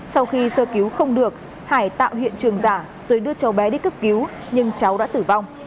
sau khi sơ cứu không được hải tạo hiện trường giả rồi đưa cháu bé đi cấp cứu nhưng cháu đã tử vong